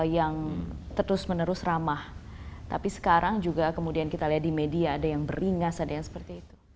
yang terus menerus ramah tapi sekarang juga kemudian kita lihat di media ada yang beringas ada yang seperti itu